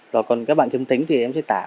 rồi còn các bạn châm tính thì em sẽ tạo